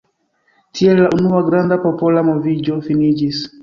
Tiel la unua granda popola moviĝo finiĝis.